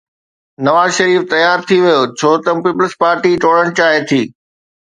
نواز شريف تيار ٿي ويو ڇو ته پيپلزپارٽي ٽوڙڻ چاهي ٿي.